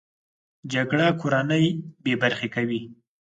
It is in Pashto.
جګړه کورنۍ بې برخې کوي